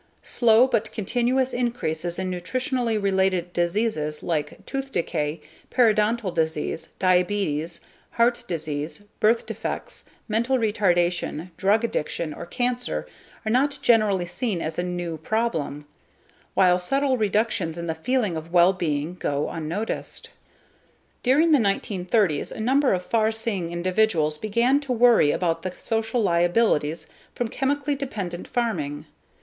Slow but continuous increases in nutritionally related diseases like tooth decay, periodontal disease, diabetes, heart disease, birth defects, mental retardation, drug addiction or cancer are not generally seen as a "new" problem, while subtle reductions in the feeling of well being go unnoticed. During the 1930s a number of far seeing individuals began to worry about the social liabilities from chemically dependent farming.